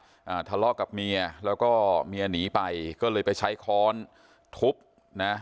อ่าทะเลาะกับเมียแล้วก็เมียหนีไปก็เลยไปใช้ค้อนทุบนะ